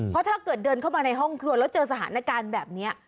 เพราะถ้าเกิดเดินเข้ามาในห้องครัวแล้วเจอสถานการณ์แบบนี้